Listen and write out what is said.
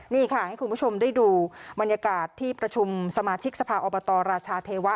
นี่ค่ะให้คุณผู้ชมได้ดูบรรยากาศที่ประชุมสมาชิกสภาอบตรราชาเทวะ